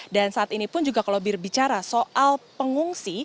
dan saat ini pun juga kalau berbicara soal pengungsi